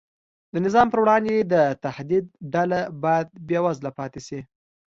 د نظام پر وړاندې د تهدید ډله باید بېوزله پاتې شي.